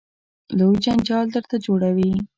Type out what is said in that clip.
لوی جنجال درته جوړوي.